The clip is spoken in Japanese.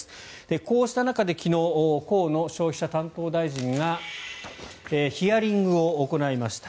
こうした中で昨日河野消費者担当大臣がヒアリングを行いました。